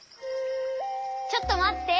ちょっとまって！